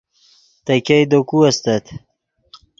تے ګئے دے کو استت